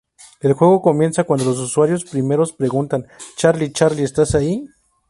El juego comienza cuando los usuarios primero preguntan "¿Charlie charlie, estas allí?